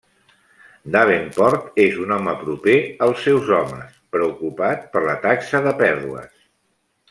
Davenport és un home proper als seus homes, preocupat per la taxa de pèrdues.